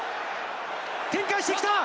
展開してきた！